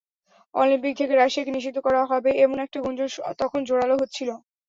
Olympic থেকে রাশিয়াকে নিষিদ্ধ করা হবে, এমন একটা গুঞ্জন তখন জোরালো হচ্ছিল।